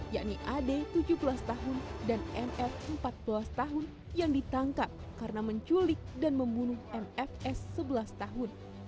yakni ad tujuh belas tahun dan nf empat belas tahun yang ditangkap karena menculik dan membunuh mfs sebelas tahun